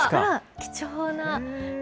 貴重な。